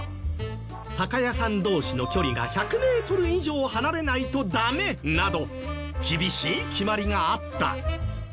酒屋さん同士の距離が１００メートル以上離れないとダメなど厳しい決まりがあった。